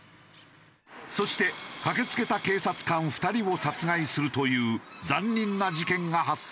そして駆け付けた警察官２人を殺害するという残忍な事件が発生。